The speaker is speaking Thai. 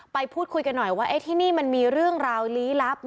ไปพูดคุยกันหน่อยว่าที่นี่มันมีเรื่องราวลี้ลับ